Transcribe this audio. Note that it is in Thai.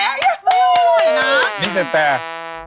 ยังไงน้องนี่เป็นแปลก